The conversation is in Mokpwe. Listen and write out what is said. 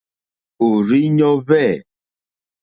Òrzìɲɔ́ hwɛ̂.